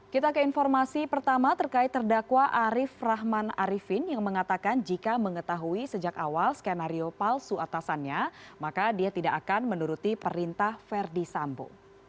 kita ke informasi pertama terkait terdakwa arief rahman arifin yang mengatakan jika mengetahui sejak awal skenario palsu atasannya maka dia tidak akan menuruti perintah verdi sambo